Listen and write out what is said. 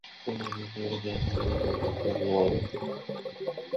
গতকাল বৃহস্পতিবার দুপুরে ময়মনসিংহ মেডিকেল কলেজ হাসপাতালে চিকিৎসাধীন অবস্থায় তিনি মারা যান।